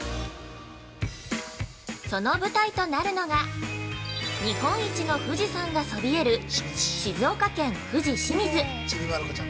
その舞台となるのが、日本一の富士山がそびえる「富士・清水」。